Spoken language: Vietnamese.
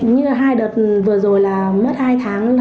như hai đợt vừa rồi là mất hai tháng